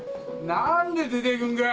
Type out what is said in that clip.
何で出て行くんか！